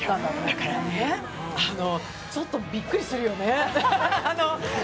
だからね、ちょっとびっくりするよね。